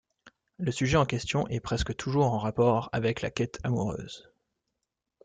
Le sujet en question est presque toujours en rapport avec la quête amoureuse.